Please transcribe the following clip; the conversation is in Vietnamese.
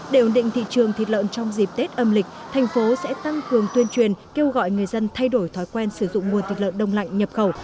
để ổn định thị trường thịt lợn trong dịp tết âm lịch thành phố sẽ tăng cường tuyên truyền kêu gọi người dân thay đổi thói quen sử dụng nguồn thịt lợn đông lạnh nhập khẩu